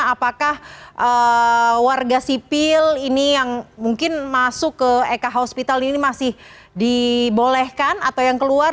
apakah warga sipil ini yang mungkin masuk ke ekh hospital ini masih dibolehkan atau yang keluar